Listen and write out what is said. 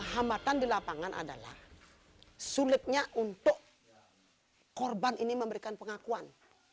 hambatan di lapangan adalah sulitnya untuk korban ini memberikan pengakuan